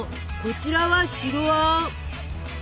こちらは白あん。